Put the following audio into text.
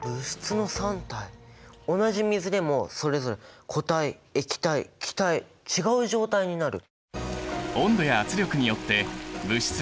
同じ水でもそれぞれ固体液体気体違う状態になる。